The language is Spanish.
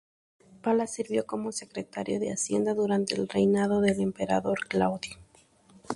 Palas sirvió como secretario de Hacienda durante el reinado del Emperador Claudio.